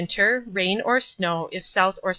Rain or snow if S. or S.